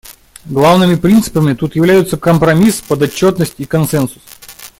Главными принципами тут являются компромисс, подотчетность и консенсус.